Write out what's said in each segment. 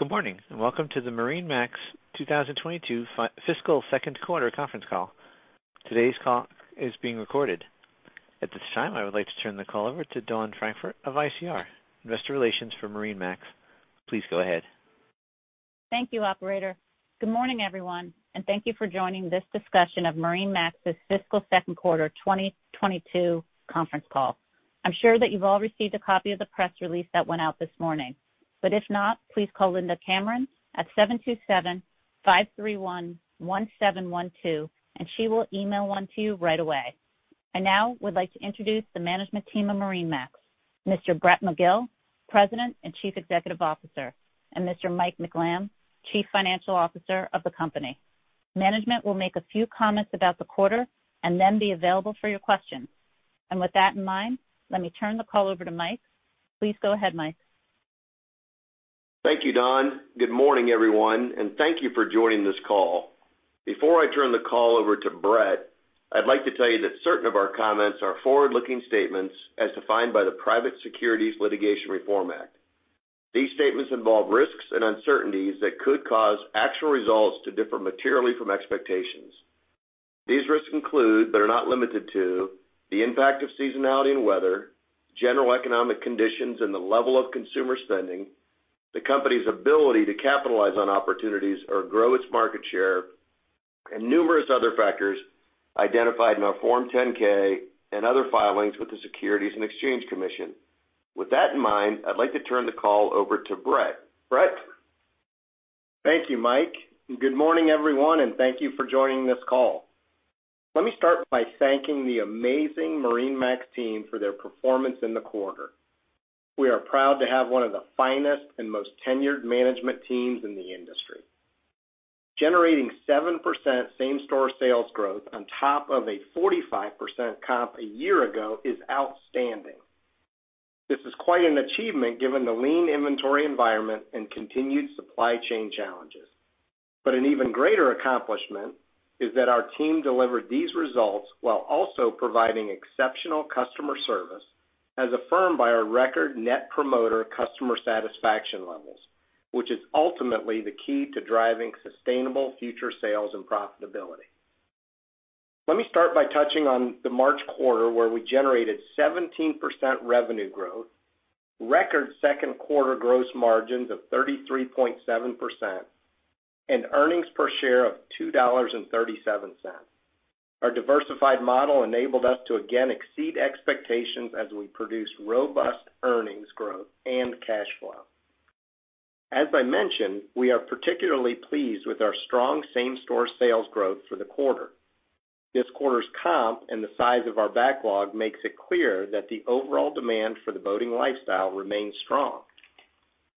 Good morning, and welcome to the MarineMax 2022 fiscal second quarter conference call. Today's call is being recorded. At this time, I would like to turn the call over to Dawn Francfort of ICR, investor relations for MarineMax. Please go ahead. Thank you, operator. Good morning, everyone, and thank you for joining this discussion of MarineMax's fiscal second quarter 2022 conference call. I'm sure that you've all received a copy of the press release that went out this morning, but if not, please call Linda Cameron at 727-531-1712, and she will email one to you right away. I now would like to introduce the management team of MarineMax, Mr. Brett McGill, President and Chief Executive Officer, and Mr. Mike McLamb, Chief Financial Officer of the company. Management will make a few comments about the quarter and then be available for your questions. With that in mind, let me turn the call over to Mike. Please go ahead, Mike. Thank you, Dawn. Good morning, everyone, and thank you for joining this call. Before I turn the call over to Brett, I'd like to tell you that certain of our comments are forward-looking statements as defined by the Private Securities Litigation Reform Act. These statements involve risks and uncertainties that could cause actual results to differ materially from expectations. These risks include, but are not limited to, the impact of seasonality and weather, general economic conditions, and the level of consumer spending, the company's ability to capitalize on opportunities or grow its market share, and numerous other factors identified in our Form 10-K and other filings with the Securities and Exchange Commission. With that in mind, I'd like to turn the call over to Brett. Brett? Thank you, Mike. Good morning, everyone, and thank you for joining this call. Let me start by thanking the amazing MarineMax team for their performance in the quarter. We are proud to have one of the finest and most tenured management teams in the industry. Generating 7% same-store sales growth on top of a 45% comp a year ago is outstanding. This is quite an achievement given the lean inventory environment and continued supply chain challenges. An even greater accomplishment is that our team delivered these results while also providing exceptional customer service, as affirmed by our record Net Promoter customer satisfaction levels, which is ultimately the key to driving sustainable future sales and profitability. Let me start by touching on the March quarter, where we generated 17% revenue growth, record second quarter gross margins of 33.7%, and earnings per share of $2.37. Our diversified model enabled us to again exceed expectations as we produced robust earnings growth and cash flow. As I mentioned, we are particularly pleased with our strong same-store sales growth for the quarter. This quarter's comp and the size of our backlog makes it clear that the overall demand for the boating lifestyle remains strong.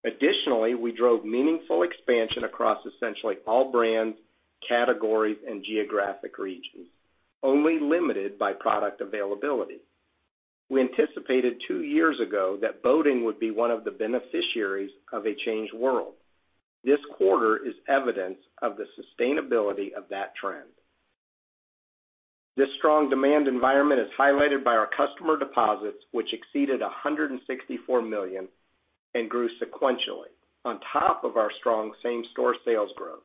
Additionally, we drove meaningful expansion across essentially all brands, categories, and geographic regions, only limited by product availability. We anticipated two years ago that boating would be one of the beneficiaries of a changed world. This quarter is evidence of the sustainability of that trend. This strong demand environment is highlighted by our customer deposits, which exceeded $164 million and grew sequentially on top of our strong same-store sales growth.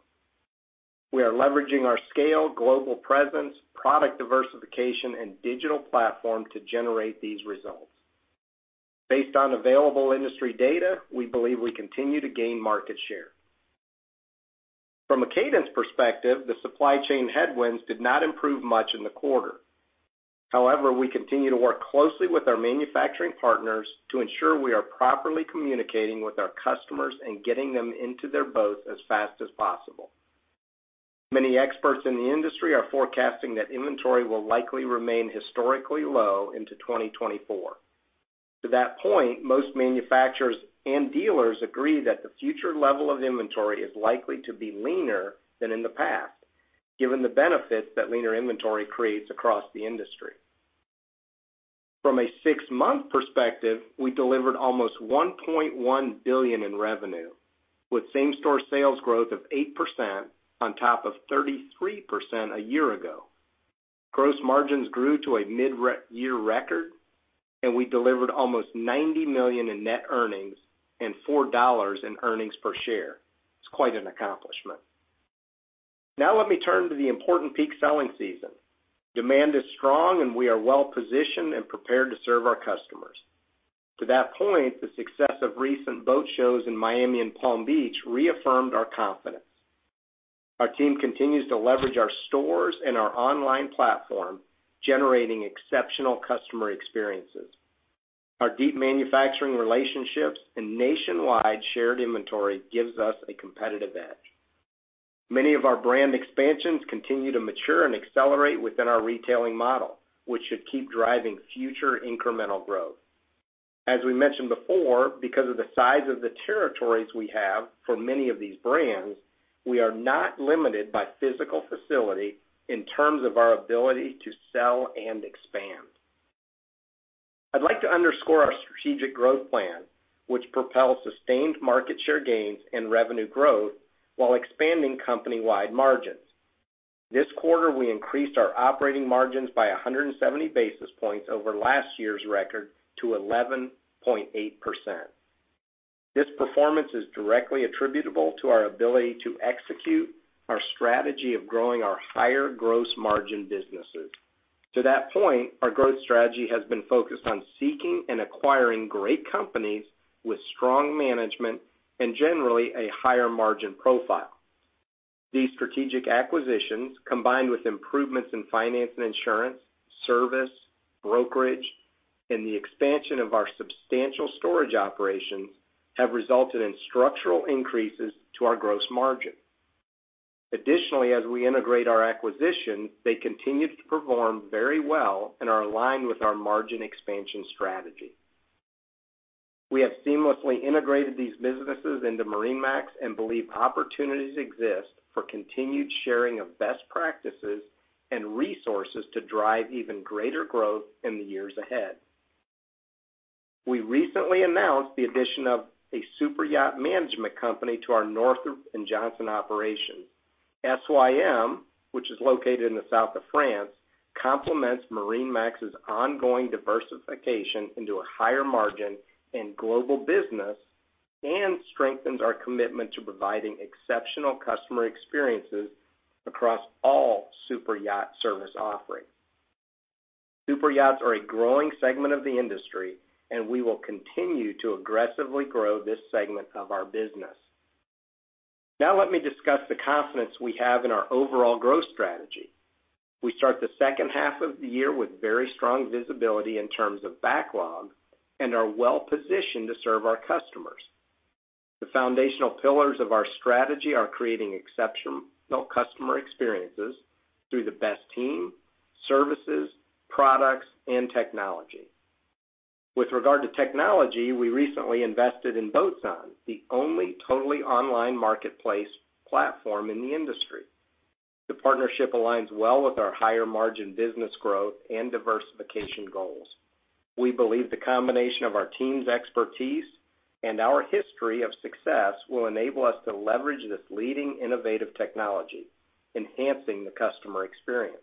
We are leveraging our scale, global presence, product diversification, and digital platform to generate these results. Based on available industry data, we believe we continue to gain market share. From a cadence perspective, the supply chain headwinds did not improve much in the quarter. However, we continue to work closely with our manufacturing partners to ensure we are properly communicating with our customers and getting them into their boats as fast as possible. Many experts in the industry are forecasting that inventory will likely remain historically low into 2024. To that point, most manufacturers and dealers agree that the future level of inventory is likely to be leaner than in the past, given the benefits that leaner inventory creates across the industry. From a six-month perspective, we delivered almost $1.1 billion in revenue, with same-store sales growth of 8% on top of 33% a year ago. Gross margins grew to a mid-year record, and we delivered almost $90 million in net earnings and $4 in earnings per share. It's quite an accomplishment. Now let me turn to the important peak selling season. Demand is strong, and we are well-positioned and prepared to serve our customers. To that point, the success of recent boat shows in Miami and Palm Beach reaffirmed our confidence. Our team continues to leverage our stores and our online platform, generating exceptional customer experiences. Our deep manufacturing relationships and nationwide shared inventory gives us a competitive edge. Many of our brand expansions continue to mature and accelerate within our retailing model, which should keep driving future incremental growth. As we mentioned before, because of the size of the territories we have for many of these brands, we are not limited by physical facility in terms of our ability to sell and expand. I'd like to underscore our strategic growth plan, which propels sustained market share gains and revenue growth while expanding company-wide margins. This quarter, we increased our operating margins by 170 basis points over last year's record to 11.8%. This performance is directly attributable to our ability to execute our strategy of growing our higher gross margin businesses. To that point, our growth strategy has been focused on seeking and acquiring great companies with strong management and generally a higher margin profile. These strategic acquisitions, combined with improvements in finance and insurance, service, brokerage, and the expansion of our substantial storage operations, have resulted in structural increases to our gross margin. Additionally, as we integrate our acquisitions, they continue to perform very well and are aligned with our margin expansion strategy. We have seamlessly integrated these businesses into MarineMax and believe opportunities exist for continued sharing of best practices and resources to drive even greater growth in the years ahead. We recently announced the addition of a superyacht management company to our Northrop & Johnson operation. SYM, which is located in the South of France, complements MarineMax's ongoing diversification into a higher margin and global business, and strengthens our commitment to providing exceptional customer experiences across all superyacht service offerings. Superyachts are a growing segment of the industry, and we will continue to aggressively grow this segment of our business. Now let me discuss the confidence we have in our overall growth strategy. We start the second half of the year with very strong visibility in terms of backlog and are well-positioned to serve our customers. The foundational pillars of our strategy are creating exceptional customer experiences through the best team, services, products, and technology. With regard to technology, we recently invested in Boatzon, the only totally online marketplace platform in the industry. The partnership aligns well with our higher margin business growth and diversification goals. We believe the combination of our team's expertise and our history of success will enable us to leverage this leading innovative technology, enhancing the customer experience.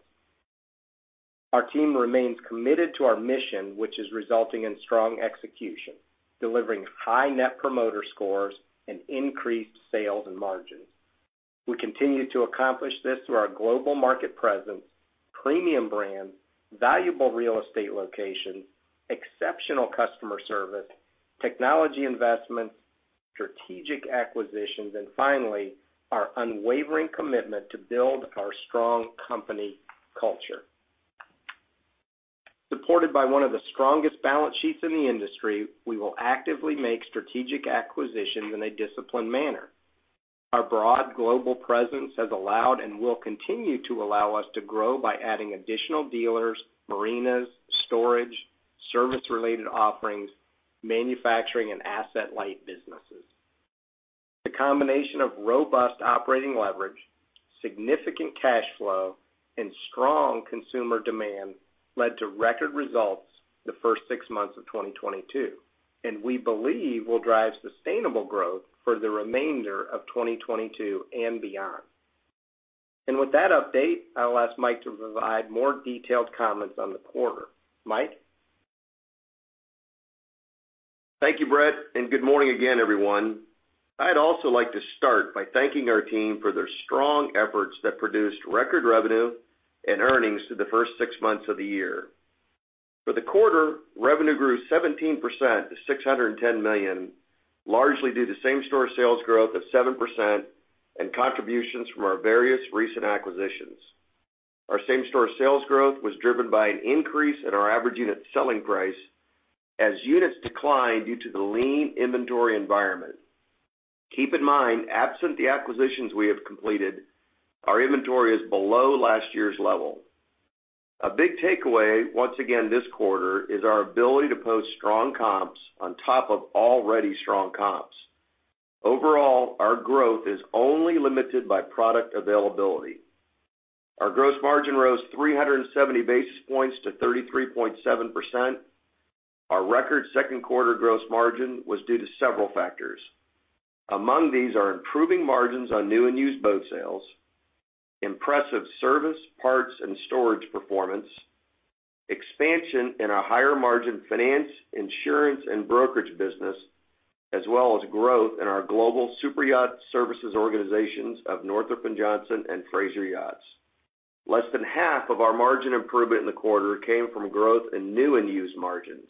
Our team remains committed to our mission, which is resulting in strong execution, delivering high Net Promoter Scores and increased sales and margins. We continue to accomplish this through our global market presence, premium brand, valuable real estate location, exceptional customer service, technology investments, strategic acquisitions, and finally, our unwavering commitment to build our strong company culture. Supported by one of the strongest balance sheets in the industry, we will actively make strategic acquisitions in a disciplined manner. Our broad global presence has allowed and will continue to allow us to grow by adding additional dealers, marinas, storage, service-related offerings, manufacturing, and asset-light businesses. The combination of robust operating leverage, significant cash flow, and strong consumer demand led to record results the first six months of 2022, and we believe will drive sustainable growth for the remainder of 2022 and beyond. With that update, I'll ask Mike to provide more detailed comments on the quarter. Mike? Thank you, Brett, and good morning again, everyone. I'd also like to start by thanking our team for their strong efforts that produced record revenue and earnings through the first six months of the year. For the quarter, revenue grew 17% to $610 million, largely due to same-store sales growth of 7% and contributions from our various recent acquisitions. Our same-store sales growth was driven by an increase in our average unit selling price as units declined due to the lean inventory environment. Keep in mind, absent the acquisitions we have completed, our inventory is below last year's level. A big takeaway, once again this quarter, is our ability to post strong comps on top of already strong comps. Overall, our growth is only limited by product availability. Our gross margin rose 370 basis points to 33.7%. Our record second quarter gross margin was due to several factors. Among these are improving margins on new and used boat sales, impressive service, parts, and storage performance, expansion in our higher margin finance, insurance, and brokerage business, as well as growth in our global superyacht services organizations of Northrop & Johnson and Fraser Yachts. Less than half of our margin improvement in the quarter came from growth in new and used margins.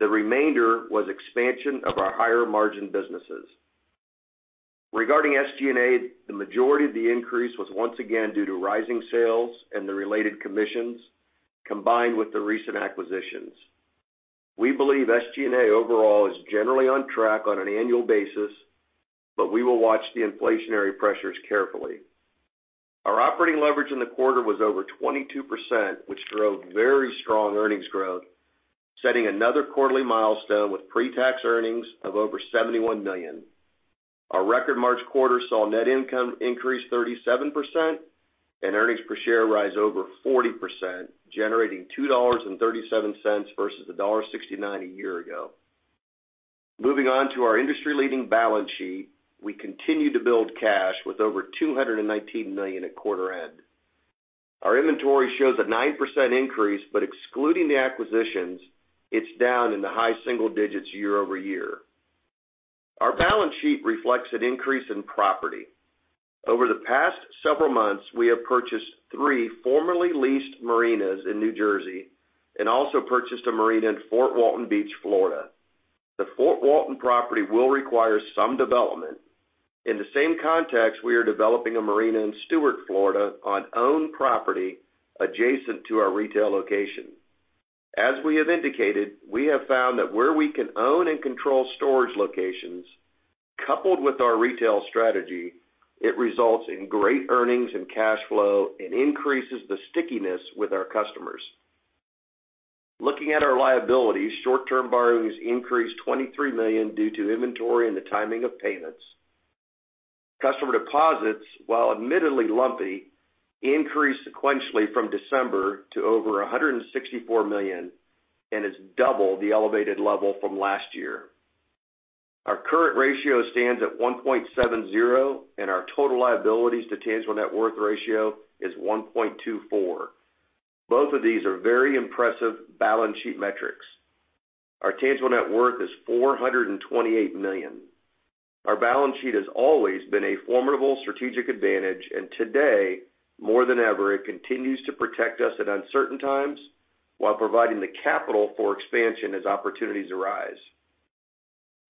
The remainder was expansion of our higher margin businesses. Regarding SG&A, the majority of the increase was once again due to rising sales and the related commissions combined with the recent acquisitions. We believe SG&A overall is generally on track on an annual basis, but we will watch the inflationary pressures carefully. Our operating leverage in the quarter was over 22%, which drove very strong earnings growth, setting another quarterly milestone with pre-tax earnings of over $71 million. Our record March quarter saw net income increase 37% and earnings per share rise over 40%, generating $2.37 versus $1.69 a year ago. Moving on to our industry-leading balance sheet. We continue to build cash with over $219 million at quarter end. Our inventory shows a 9% increase, but excluding the acquisitions, it's down in the high single digits year-over-year. Our balance sheet reflects an increase in property. Over the past several months, we have purchased three formerly leased marinas in New Jersey and also purchased a marina in Fort Walton Beach, Florida. The Fort Walton property will require some development. In the same context, we are developing a marina in Stuart, Florida, on owned property adjacent to our retail location. As we have indicated, we have found that where we can own and control storage locations, coupled with our retail strategy, it results in great earnings and cash flow and increases the stickiness with our customers. Looking at our liabilities, short-term borrowings increased $23 million due to inventory and the timing of payments. Customer deposits, while admittedly lumpy, increased sequentially from December to over $164 million and is double the elevated level from last year. Our current ratio stands at 1.70, and our total liabilities to tangible net worth ratio is 1.24. Both of these are very impressive balance sheet metrics. Our tangible net worth is $428 million. Our balance sheet has always been a formidable strategic advantage, and today, more than ever, it continues to protect us at uncertain times while providing the capital for expansion as opportunities arise.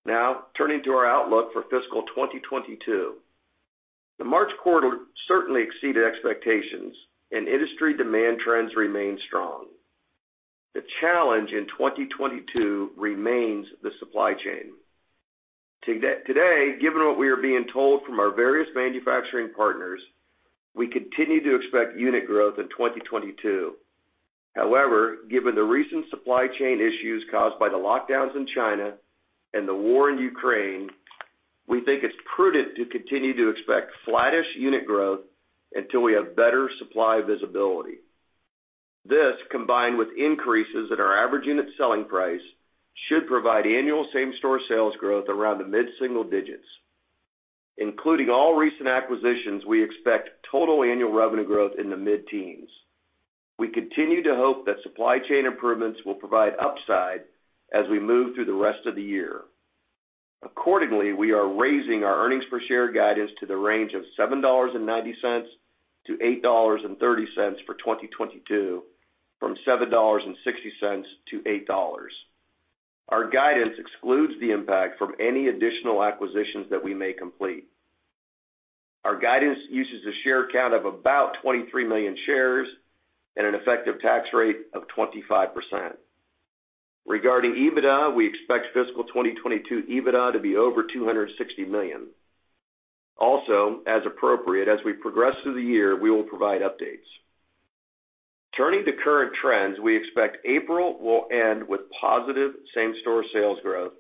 Now, turning to our outlook for fiscal 2022. The March quarter certainly exceeded expectations and industry demand trends remain strong. The challenge in 2022 remains the supply chain. Today, given what we are being told from our various manufacturing partners, we continue to expect unit growth in 2022. However, given the recent supply chain issues caused by the lockdowns in China and the war in Ukraine, we think it's prudent to continue to expect flattish unit growth until we have better supply visibility. This, combined with increases in our average unit selling price, should provide annual same-store sales growth around the mid-single digits. Including all recent acquisitions, we expect total annual revenue growth in the mid-teens. We continue to hope that supply chain improvements will provide upside as we move through the rest of the year. Accordingly, we are raising our earnings per share guidance to the range of $7.90-$8.30 for 2022 from $7.60 to $8. Our guidance excludes the impact from any additional acquisitions that we may complete. Our guidance uses a share count of about 23 million shares and an effective tax rate of 25%. Regarding EBITDA, we expect fiscal 2022 EBITDA to be over $260 million. Also, as appropriate, as we progress through the year, we will provide updates. Turning to current trends, we expect April will end with positive same-store sales growth,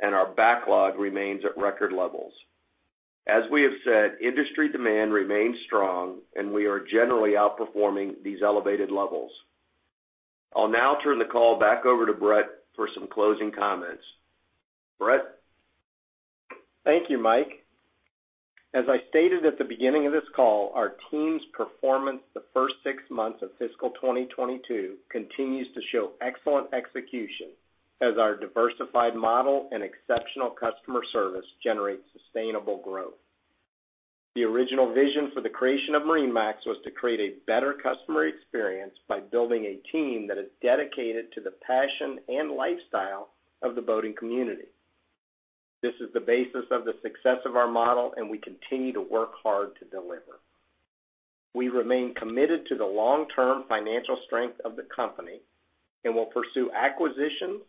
and our backlog remains at record levels. As we have said, industry demand remains strong, and we are generally outperforming these elevated levels. I'll now turn the call back over to Brett for some closing comments. Brett? Thank you, Mike. As I stated at the beginning of this call, our team's performance the first six months of fiscal 2022 continues to show excellent execution as our diversified model and exceptional customer service generates sustainable growth. The original vision for the creation of MarineMax was to create a better customer experience by building a team that is dedicated to the passion and lifestyle of the boating community. This is the basis of the success of our model, and we continue to work hard to deliver. We remain committed to the long-term financial strength of the company and will pursue acquisitions,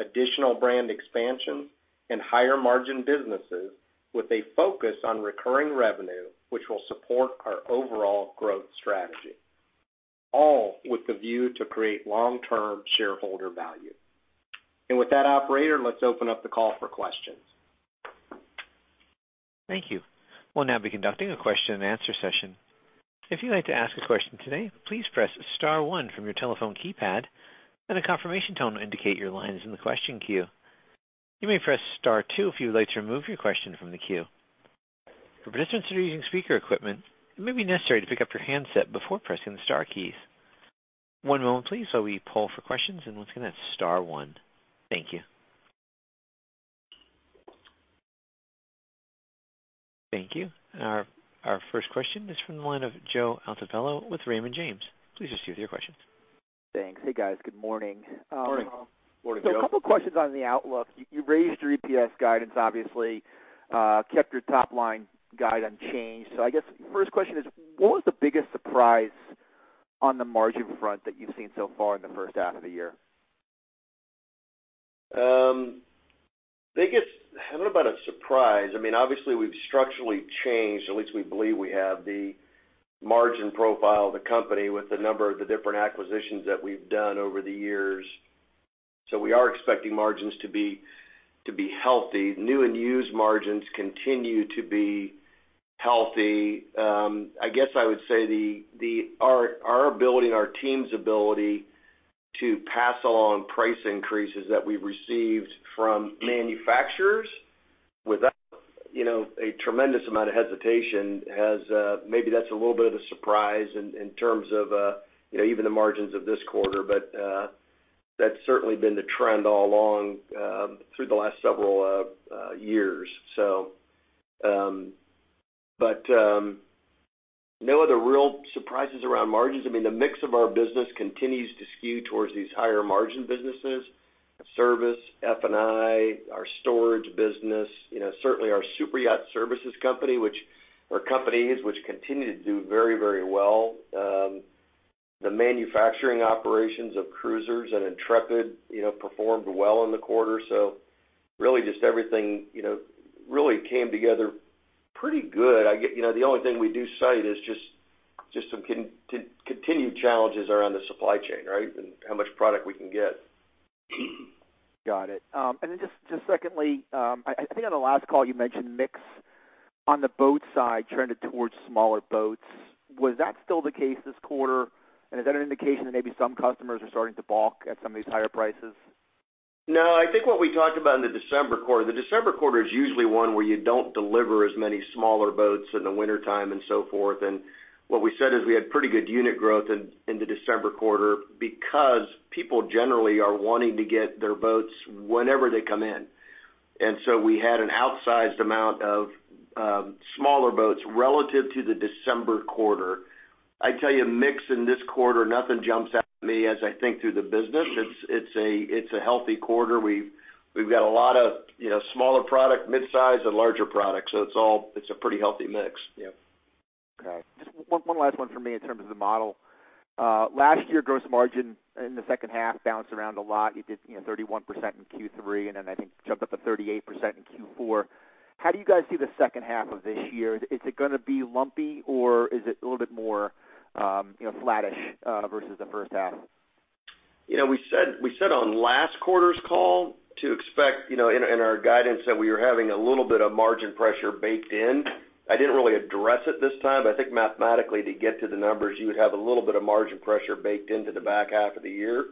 additional brand expansion, and higher-margin businesses with a focus on recurring revenue, which will support our overall growth strategy, all with the view to create long-term shareholder value. With that, operator, let's open up the call for questions. Thank you. We'll now be conducting a question-and-answer session. If you'd like to ask a question today, please press star one from your telephone keypad, and a confirmation tone will indicate your line is in the question queue. You may press star two if you would like to remove your question from the queue. For participants that are using speaker equipment, it may be necessary to pick up your handset before pressing the star keys. One moment, please, while we poll for questions. Once again, that's star one. Thank you. Thank you. Our first question is from the line of Joe Altobello with Raymond James. Please proceed with your questions. Thanks. Hey, guys. Good morning. Morning. Morning, Joe. A couple questions on the outlook. You raised your EPS guidance, obviously, kept your top-line guide unchanged. I guess first question is, what was the biggest surprise on the margin front that you've seen so far in the first half of the year? I don't know about a surprise. I mean, obviously, we've structurally changed, at least we believe we have, the margin profile of the company with a number of the different acquisitions that we've done over the years. We are expecting margins to be healthy. New and used margins continue to be healthy. I guess I would say the our ability and our team's ability to pass along price increases that we received from manufacturers without, you know, a tremendous amount of hesitation has maybe that's a little bit of a surprise in terms of you know, even the margins of this quarter. That's certainly been the trend all along through the last several years. No other real surprises around margins. I mean, the mix of our business continues to skew towards these higher margin businesses, service, F&I, our storage business, you know, certainly our superyacht services company, or companies, which continue to do very, very well. The manufacturing operations of Cruisers and Intrepid, you know, performed well in the quarter. Really, just everything, you know, really came together pretty good. You know, the only thing we do cite is just some continued challenges around the supply chain, right, and how much product we can get. Got it. Just secondly, I think on the last call you mentioned mix on the boat side trended towards smaller boats. Was that still the case this quarter? Is that an indication that maybe some customers are starting to balk at some of these higher prices? No, I think what we talked about in the December quarter, the December quarter is usually one where you don't deliver as many smaller boats in the wintertime and so forth. What we said is we had pretty good unit growth in the December quarter because people generally are wanting to get their boats whenever they come in. We had an outsized amount of smaller boats relative to the December quarter. I tell you, mix in this quarter, nothing jumps out at me as I think through the business. It's a healthy quarter. We've got a lot of, you know, smaller product, midsize and larger products, so it's all, it's a pretty healthy mix. Yeah. Okay. Just one last one for me in terms of the model. Last year, gross margin in the second half bounced around a lot. You did, you know, 31% in Q3, and then I think jumped up to 38% in Q4. How do you guys see the second half of this year? Is it gonna be lumpy, or is it a little bit more, you know, flattish versus the first half? You know, we said on last quarter's call to expect, you know, in our guidance that we were having a little bit of margin pressure baked in. I didn't really address it this time, but I think mathematically to get to the numbers, you would have a little bit of margin pressure baked into the back half of the year.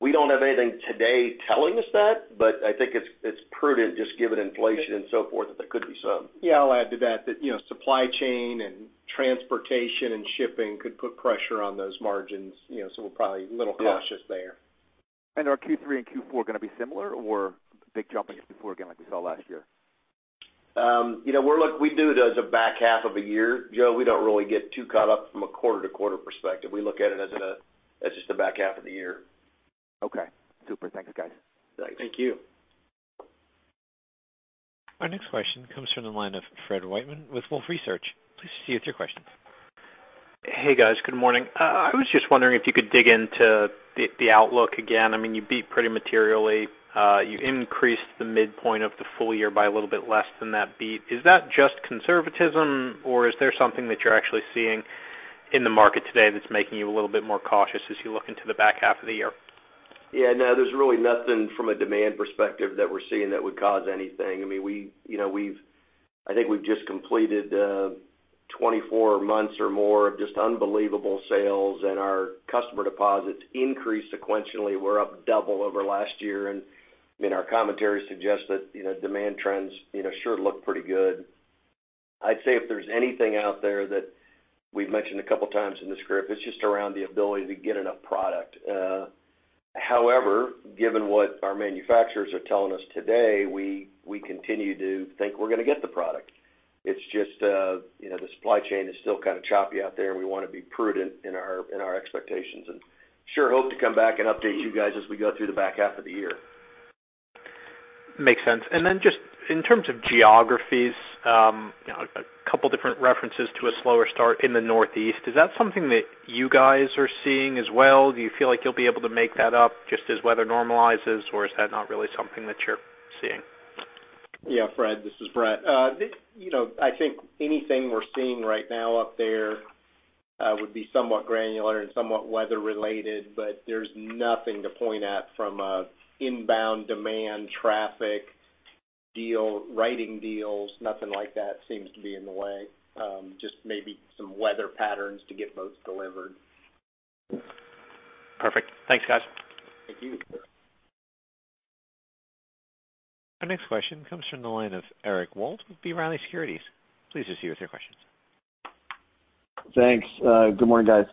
We don't have anything today telling us that, but I think it's prudent just given inflation and so forth, that there could be some. Yeah, I'll add to that. That, you know, supply chain and transportation and shipping could put pressure on those margins, you know, so we're probably a little cautious there. Are Q3 and Q4 gonna be similar or big jump again, like we saw last year? You know, we do it as a back half of a year, Joe. We don't really get too caught up from a quarter-to-quarter perspective. We look at it as an, as just a back half of the year. Okay, super. Thanks, guys. Thanks. Thank you. Our next question comes from the line of Fred Wightman with Wolfe Research. Please proceed with your questions. Hey, guys. Good morning. I was just wondering if you could dig into the outlook again. I mean, you beat pretty materially. You increased the midpoint of the full year by a little bit less than that beat. Is that just conservatism, or is there something that you're actually seeing in the market today that's making you a little bit more cautious as you look into the back half of the year? Yeah, no, there's really nothing from a demand perspective that we're seeing that would cause anything. I mean, we, you know, I think we've just completed 24 months or more of just unbelievable sales, and our customer deposits increased sequentially. We're up double over last year, and, I mean, our commentary suggests that, you know, demand trends, you know, sure look pretty good. I'd say if there's anything out there that we've mentioned a couple times in this script, it's just around the ability to get enough product. However, given what our manufacturers are telling us today, we continue to think we're gonna get the product. It's just, you know, the supply chain is still kind of choppy out there, and we wanna be prudent in our expectations. Sure hope to come back and update you guys as we go through the back half of the year. Makes sense. Just in terms of geographies, you know, a couple different references to a slower start in the Northeast. Is that something that you guys are seeing as well? Do you feel like you'll be able to make that up just as weather normalizes, or is that not really something that you're seeing? Yeah, Fred, this is Brett. You know, I think anything we're seeing right now up there would be somewhat granular and somewhat weather-related, but there's nothing to point at from an inbound demand, traffic, deal writing deals, nothing like that seems to be in the way. Just maybe some weather patterns to get boats delivered. Perfect. Thanks, guys. Thank you. Our next question comes from the line of Eric Wold with B. Riley Securities. Please proceed with your questions. Thanks. Good morning, guys.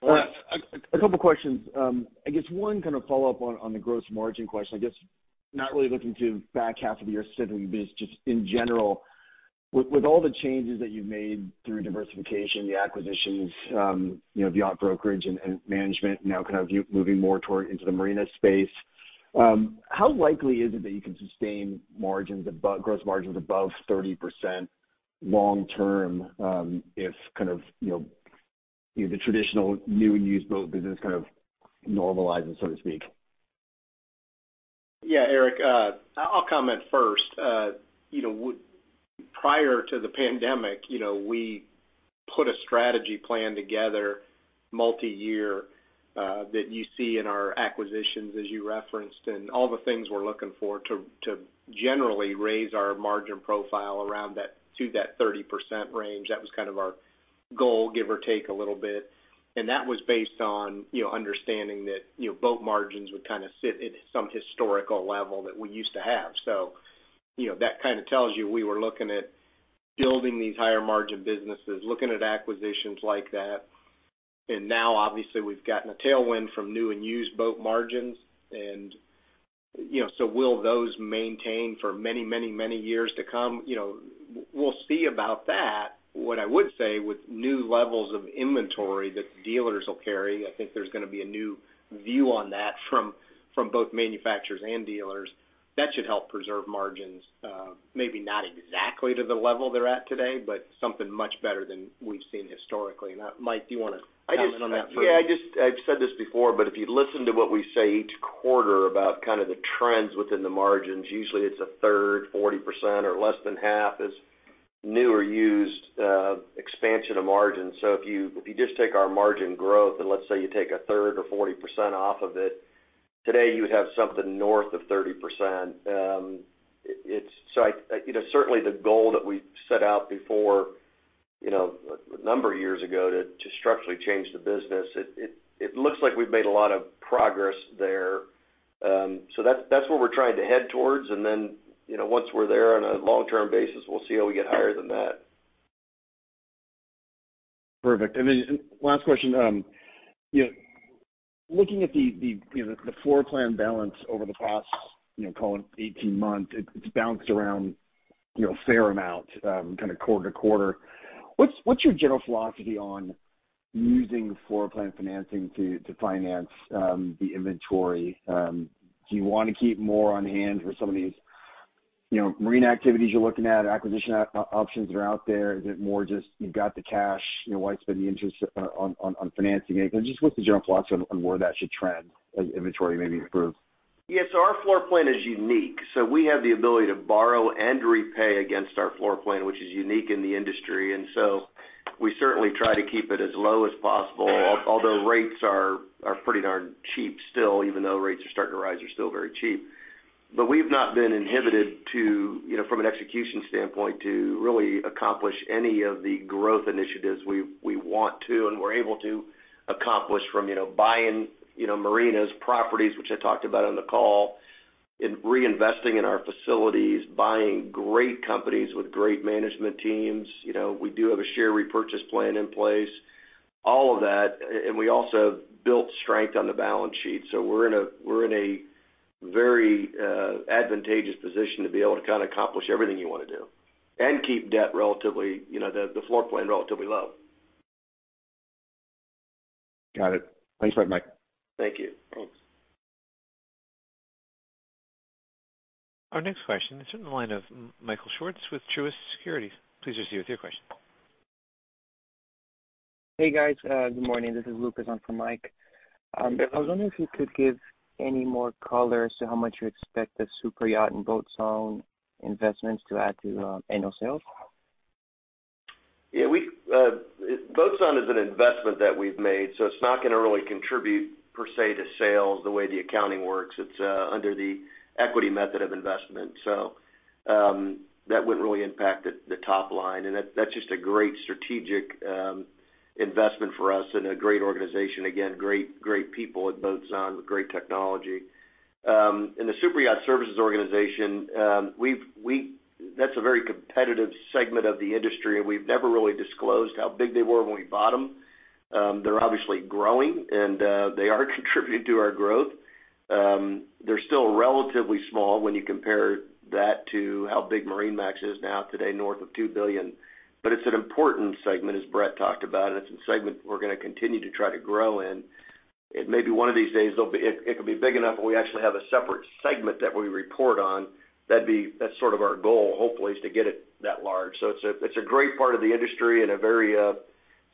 Hello. A couple questions. I guess one kind of follow-up on the gross margin question. I guess not really looking to back half of the year specifically, but just in general, with all the changes that you've made through diversification, the acquisitions, you know, the yacht brokerage and management now kind of moving more toward into the marina space, how likely is it that you can sustain margins above, gross margins above 30% long term, if kind of, you know, the traditional new and used boat business kind of normalizes, so to speak? Yeah, Eric, I'll comment first. You know, prior to the pandemic, you know, we put a strategy plan together multiyear, that you see in our acquisitions as you referenced, and all the things we're looking for to generally raise our margin profile around that to that 30% range. That was kind of our goal, give or take a little bit. That was based on, you know, understanding that, you know, boat margins would kind of sit at some historical level that we used to have. You know, that kind of tells you we were looking at building these higher margin businesses, looking at acquisitions like that. Now, obviously, we've gotten a tailwind from new and used boat margins and, you know. Will those maintain for many, many, many years to come? You know, we'll see about that. What I would say with new levels of inventory that dealers will carry, I think there's gonna be a new view on that from both manufacturers and dealers. That should help preserve margins, maybe not exactly to the level they're at today, but something much better than we've seen historically. Mike, do you wanna comment on that further? I've said this before, but if you listen to what we say each quarter about kind of the trends within the margins, usually it's a third, 40% or less than half is new or used, expansion of margins. If you just take our margin growth, and let's say you take a third or 40% off of it, today you would have something north of 30%. You know, certainly the goal that we set out before, you know, a number of years ago to structurally change the business, it looks like we've made a lot of progress there. That's where we're trying to head towards, and then, you know, once we're there on a long-term basis, we'll see how we get higher than that. Perfect. Last question. You know, looking at the floor plan balance over the past, you know, call it 18 months, it's bounced around, you know, a fair amount, kind of quarter-to-quarter. What's your general philosophy on using floor plan financing to finance the inventory? Do you want to keep more on hand for some of these, you know, marine activities you're looking at, acquisition options that are out there? Is it more just you've got the cash, you know, why spend the interest on financing it? Just what's the general philosophy on where that should trend as inventory maybe improves? Yeah. Our floor plan is unique, so we have the ability to borrow and repay against our floor plan, which is unique in the industry. We certainly try to keep it as low as possible, although rates are pretty darn cheap still. Even though rates are starting to rise, they're still very cheap. We've not been inhibited to, you know, from an execution standpoint, to really accomplish any of the growth initiatives we want to and we're able to accomplish from, you know, buying, you know, marinas, properties, which I talked about on the call, in reinvesting in our facilities, buying great companies with great management teams. You know, we do have a share repurchase plan in place, all of that. We also have built strength on the balance sheet. We're in a very advantageous position to be able to kind of accomplish everything you want to do and keep debt relatively, you know, the floor plan relatively low. Got it. Thanks for that, Mike. Thank you. Thanks. Our next question is from the line of Michael Swartz with Truist Securities. Please proceed with your question. Hey, guys. Good morning. This is Lucas on for Mike. I was wondering if you could give any more color as to how much you expect the superyacht and Boatzon investments to add to annual sales. Yeah, Boatzon is an investment that we've made, so it's not gonna really contribute per se to sales the way the accounting works. It's under the equity method of investment, so that wouldn't really impact the top line. That's just a great strategic investment for us and a great organization. Again, great people at Boatzon with great technology. The Superyacht Services organization, that's a very competitive segment of the industry, and we've never really disclosed how big they were when we bought them. They're obviously growing, and they are contributing to our growth. They're still relatively small when you compare that to how big MarineMax is now today, north of $2 billion. It's an important segment, as Brett talked about, and it's a segment we're gonna continue to try to grow in. Maybe one of these days, it could be big enough that we actually have a separate segment that we report on. That's sort of our goal, hopefully, is to get it that large. It's a great part of the industry and a very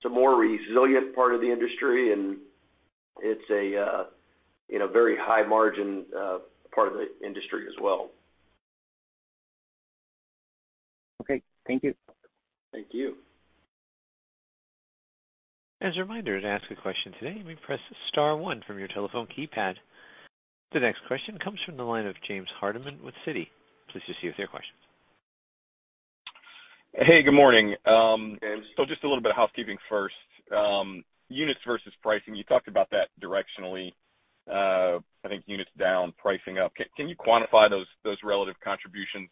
resilient part of the industry, and it's a, you know, very high margin part of the industry as well. Okay. Thank you. Thank you. As a reminder, to ask a question today, you may press star one from your telephone keypad. The next question comes from the line of James Hardiman with Citi. Please proceed with your question. Hey, good morning. James. Just a little bit of housekeeping first. Units versus pricing, you talked about that directionally. I think units down, pricing up. Can you quantify those relative contributions?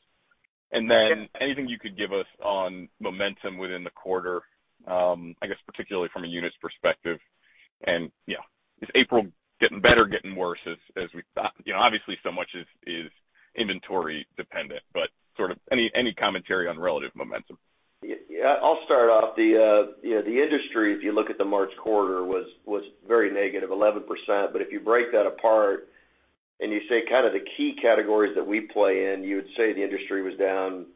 Anything you could give us on momentum within the quarter, I guess particularly from a units perspective? You know, is April getting better, getting worse as we? You know, obviously so much is inventory-dependent, but sort of any commentary on relative momentum? Yeah, I'll start off. The industry, if you look at the March quarter, was very negative, 11%. If you break that apart and you say kind of the key categories that we play in, you would say the industry was down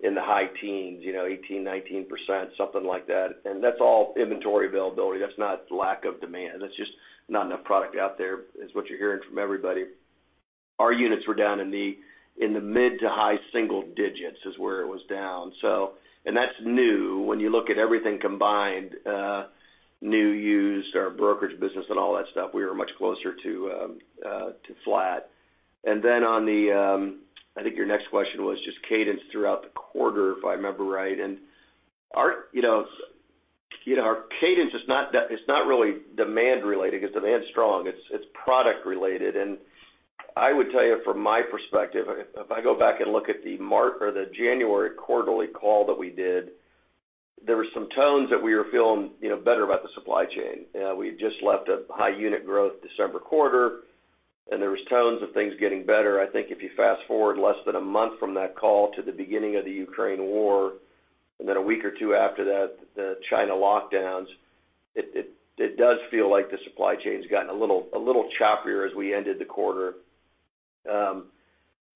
in the high teens, 18%, 19%, something like that. That's all inventory availability. That's not lack of demand. That's just not enough product out there, is what you're hearing from everybody. Our units were down in the mid- to high-single digits is where it was down. That's new. When you look at everything combined, new, used, our brokerage business and all that stuff, we were much closer to flat. I think your next question was just cadence throughout the quarter, if I remember right, and our you know our cadence is not really demand-related, 'cause demand's strong. It's product-related. I would tell you from my perspective, if I go back and look at the March or the January quarterly call that we did, there were some tones that we were feeling, you know, better about the supply chain. We had just left a high unit growth December quarter, and there was tons of things getting better. I think if you fast-forward less than a month from that call to the beginning of the Ukraine war, and then a week or two after that, the China lockdowns, it does feel like the supply chain's gotten a little choppier as we ended the quarter.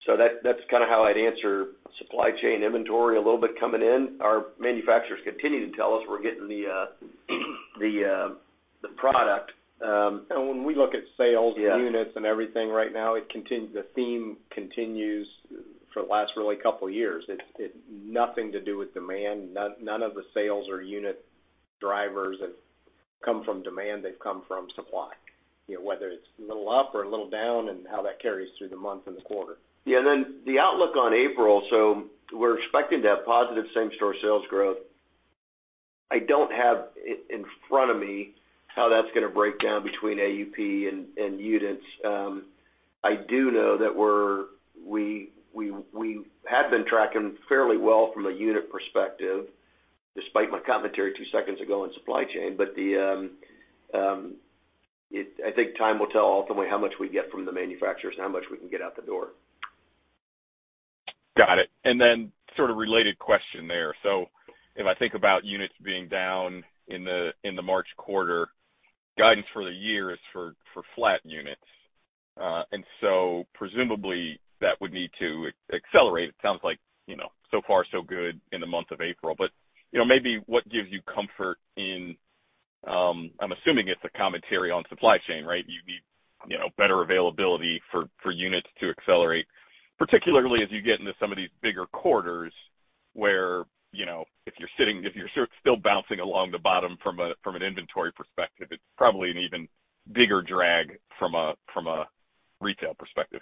So that's kinda how I'd answer supply chain inventory a little bit coming in. Our manufacturers continue to tell us we're getting the product. When we look at sales units and everything right now, the theme continues for the last really couple years. It's nothing to do with demand. None of the sales or unit drivers have come from demand. They've come from supply. You know, whether it's a little up or a little down and how that carries through the month and the quarter. Yeah, the outlook on April. We're expecting to have positive same-store sales growth. I don't have it in front of me how that's gonna break down between AUP and units. I do know that we had been tracking fairly well from a unit perspective, despite my commentary two seconds ago on supply chain. I think time will tell ultimately how much we get from the manufacturers and how much we can get out the door. Got it. Sort of related question there. If I think about units being down in the March quarter, guidance for the year is for flat units. Presumably that would need to accelerate. It sounds like, you know, so far so good in the month of April. You know, maybe what gives you comfort in, I'm assuming it's a commentary on supply chain, right? You need, you know, better availability for units to accelerate, particularly as you get into some of these bigger quarters where, you know, if you're sort of still bouncing along the bottom from an inventory perspective, it's probably an even bigger drag from a retail perspective.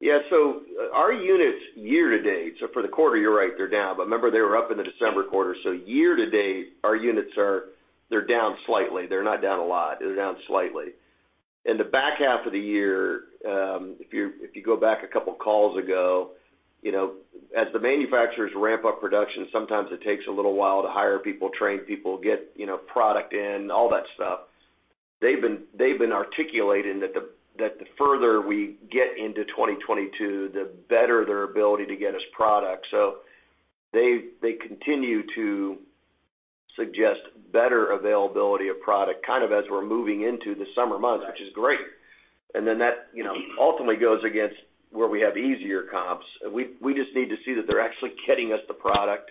Yeah. Our units year-to-date, so for the quarter, you're right, they're down. Remember, they were up in the December quarter. Year-to-date, our units are, they're down slightly. They're not down a lot. They're down slightly. In the back half of the year, if you go back a couple calls ago, you know, as the manufacturers ramp up production, sometimes it takes a little while to hire people, train people, get, you know, product in, all that stuff. They've been articulating that the further we get into 2022, the better their ability to get us product. They continue to suggest better availability of product kind of as we're moving into the summer months, which is great. Then that, you know, ultimately goes against where we have easier comps. We just need to see that they're actually getting us the product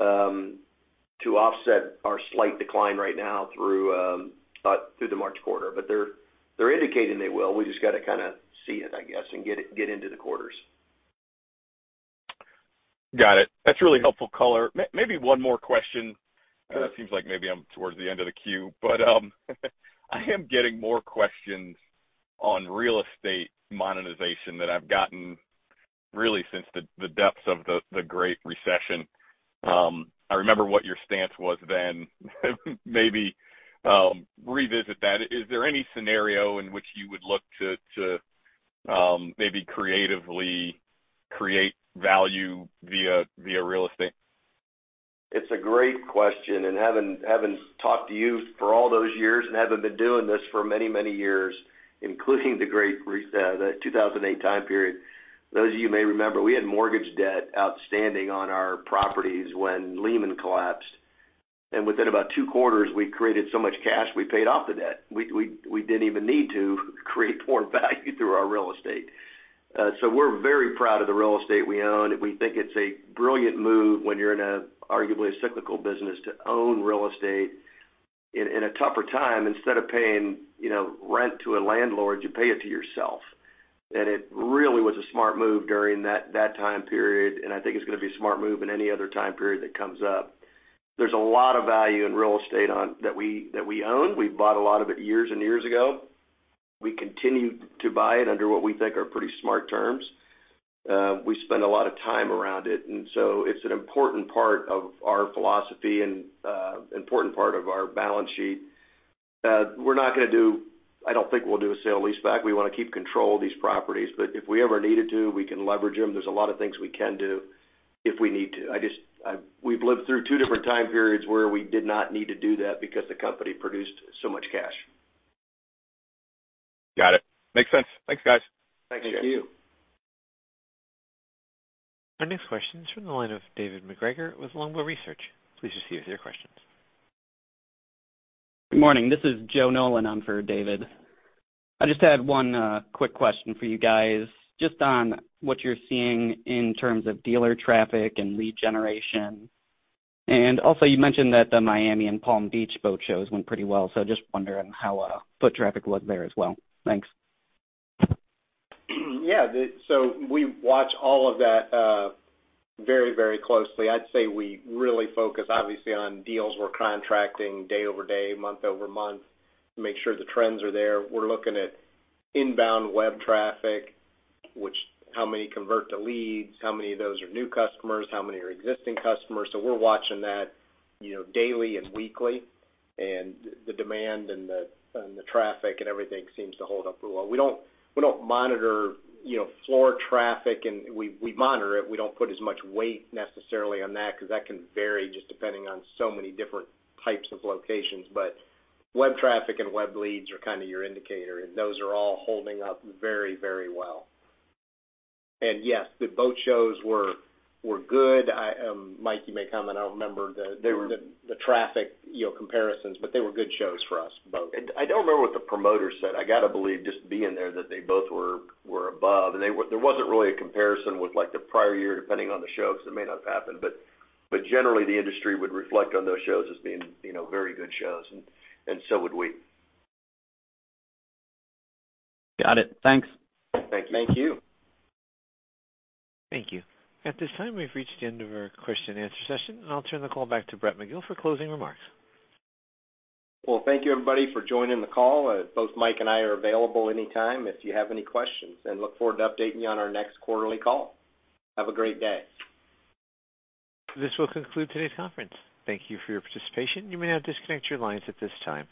to offset our slight decline right now through the March quarter. They're indicating they will. We just gotta kinda see it, I guess, and get it into the quarters. Got it. That's really helpful color. Maybe one more question. Sure. It seems like maybe I'm toward the end of the queue, but I am getting more questions on real estate monetization than I've gotten really since the depths of the Great Recession. I remember what your stance was then. Maybe revisit that. Is there any scenario in which you would look to maybe creatively create value via real estate? It's a great question, and having talked to you for all those years and having been doing this for many, many years, including the 2008 time period, those of you may remember, we had mortgage debt outstanding on our properties when Lehman collapsed, and within about two quarters, we created so much cash, we paid off the debt. We didn't even need to create more value through our real estate. We're very proud of the real estate we own, and we think it's a brilliant move when you're in an arguably cyclical business to own real estate. In a tougher time, instead of paying, you know, rent to a landlord, you pay it to yourself. It really was a smart move during that time period, and I think it's gonna be a smart move in any other time period that comes up. There's a lot of value in real estate that we own. We bought a lot of it years and years ago. We continue to buy it under what we think are pretty smart terms. We spend a lot of time around it, and so it's an important part of our philosophy and important part of our balance sheet. I don't think we'll do a sale-leaseback. We wanna keep control of these properties. If we ever needed to, we can leverage them. There's a lot of things we can do if we need to. We've lived through two different time periods where we did not need to do that because the company produced so much cash. Got it. Makes sense. Thanks, guys. Thanks, James. Thank you. Our next question is from the line of David MacGregor with Longbow Research. Please proceed with your questions. Good morning. This is Joe Nolan on for David. I just had one quick question for you guys just on what you're seeing in terms of dealer traffic and lead generation. You mentioned that the Miami and Palm Beach boat shows went pretty well, so just wondering how foot traffic looked there as well. Thanks. We watch all of that very, very closely. I'd say we really focus obviously on deals we're contracting day-over-day, month-over-month to make sure the trends are there. We're looking at inbound web traffic, which how many convert to leads? How many of those are new customers? How many are existing customers? We're watching that, you know, daily and weekly. The demand and the traffic and everything seems to hold up really well. We don't monitor, you know, floor traffic and we monitor it. We don't put as much weight necessarily on that because that can vary just depending on so many different types of locations. Web traffic and web leads are kind of your indicator, and those are all holding up very, very well. Yes, the boat shows were good. I, Mike, you may comment. I don't remember the traffic, you know, comparisons, but they were good shows for us both. I don't remember what the promoter said. I gotta believe just being there that they both were above. There wasn't really a comparison with like the prior year, depending on the shows. It may not have happened. But generally, the industry would reflect on those shows as being, you know, very good shows and so would we. Got it. Thanks. Thank you. Thank you. Thank you. At this time, we've reached the end of our question-and-answer session, and I'll turn the call back to Brett McGill for closing remarks. Well, thank you, everybody, for joining the call. Both Mike and I are available anytime if you have any questions, and look forward to updating you on our next quarterly call. Have a great day. This will conclude today's conference. Thank you for your participation. You may now disconnect your lines at this time.